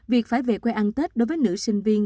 việc phải về quê ăn tết đối với nữ sinh viên